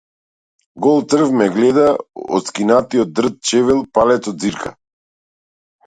Гол црв ме гледа од скинатиот дрт чевел палецот ѕирка.